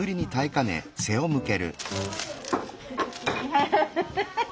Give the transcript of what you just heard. アハハハ。